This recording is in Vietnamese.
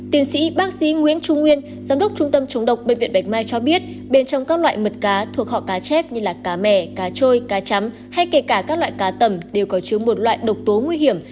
tiến sĩ bác sĩ nguyễn trung nguyên giám đốc trung tâm chống độc bệnh viện bạch mai cho biết bên trong các loại mật cá thuộc họ cá chép như cá mẻ cá trôi cá chấm hay kể cả các loại cá tầm đều có chứa một loại độc tố nguy hiểm